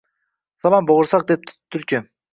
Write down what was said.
— Salom, bo’g’irsoq, — debdi tulki